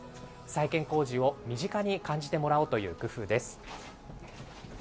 再建工事を身近に感じてもらおうという工夫です。